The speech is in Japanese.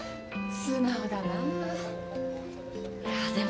素直だなぁ。